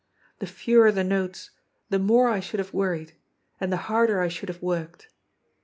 The fewer the notes, the more I should have wor ried, and the harder I should have worked.